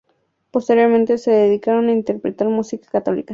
Posteriormente, se dedicaron a interpretar música católica.